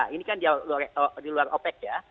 ini kan di luar opec ya